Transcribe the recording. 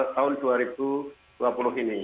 tahun dua ribu dua puluh ini